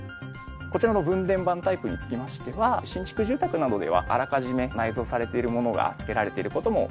こちらの分電盤タイプにつきましては新築住宅などではあらかじめ内蔵されているものが付けられている事も多いです。